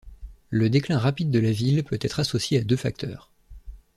Le déclin rapide de la ville peut être associé à deux facteurs.